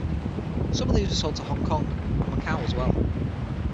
Some of these were sold to Hong Kong and Macau as well.